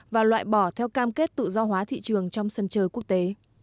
và loại bỏ theo cam kết tự do hóa thị trường trong sân chơi quốc tế